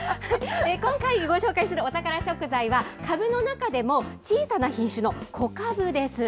今回ご紹介するお宝食材はかぶの中でも、小さな品種の小かぶです。